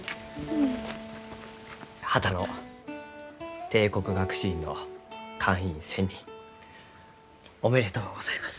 波多野帝国学士院の会員選任おめでとうございます。